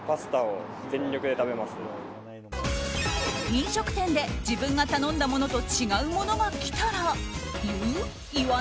飲食店で自分が頼んだものと違うものが来たら言う？